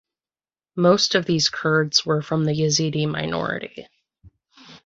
Most of these Kurds were from the Yezidi minority.